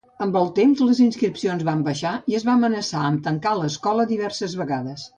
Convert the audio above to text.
Amb el temps, les inscripcions van baixar i es va amenaçar amb tancar l'escola diverses vegades.